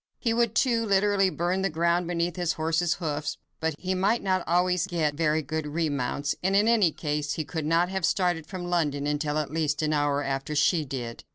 He would, too, literally burn the ground beneath his horse's hoofs, but he might not always get very good remounts, and in any case, he could not have started from London until at least an hour after she did.